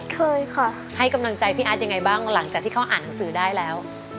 เคยค่ะให้กำลังใจพี่อาร์ตยังไงบ้างหลังจากที่เขาอ่านหนังสือได้แล้ว